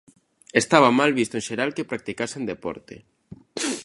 Estaba mal visto en xeral que practicasen deporte?